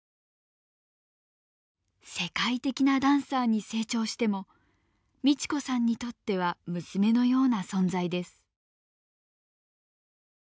世界的なダンサーに成長しても美智子さんにとっては娘のような存在です。